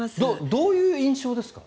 どういう印象ですか？